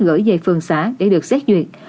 gửi về phường xã để được xét duyệt